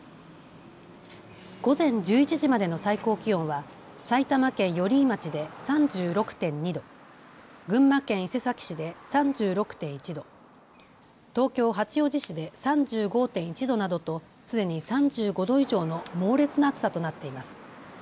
午前１１時までの最高気温は埼玉県寄居町で３６．２度、群馬県伊勢崎市で３６．１度、東京八王子市で３５．１度などとすでに３５度以上の猛烈な暑さとなっています。